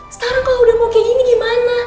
sekarang kalau udah mau kayak gini gimana